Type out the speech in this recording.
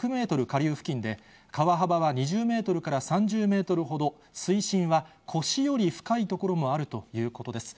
下流付近で、川幅は２０メートルから３０メートルほど、水深は腰より深い所もあるということです。